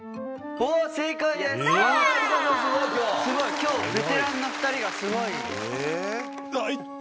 今日ベテランの２人がすごい。